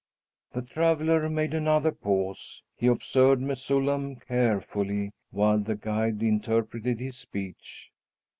The traveller made another pause. He observed Mesullam carefully, while the guide interpreted his speech.